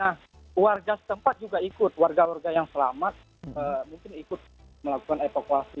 nah warga setempat juga ikut warga warga yang selamat mungkin ikut melakukan evakuasi